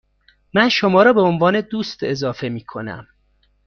من شما را به عنوان دوست اضافه می کنم.